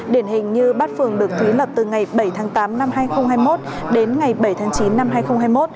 điển hình như bát phường được thúy lập từ ngày bảy tháng tám năm hai nghìn hai mươi một đến ngày bảy tháng chín năm hai nghìn hai mươi một